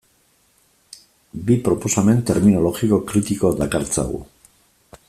Bi proposamen terminologiko kritiko dakartzagu.